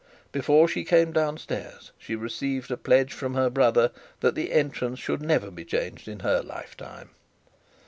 Before she came down stairs she received a pledge from her brother that the entrance should never be changed in her lifetime.